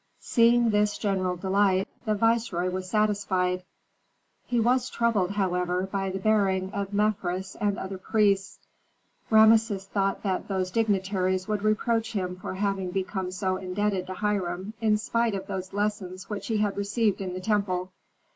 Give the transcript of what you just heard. Seeing this general delight, the viceroy was satisfied. He was troubled, however, by the bearing of Mefres and other priests. Rameses thought that those dignitaries would reproach him for having become so indebted to Hiram in spite of those lessons which he had received in the temple.